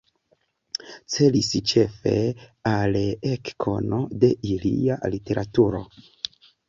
Celis ĉefe al ekkono de ilia literaturo.